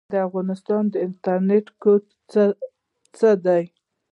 د افغانستان انټرنیټ کوډ څه دی؟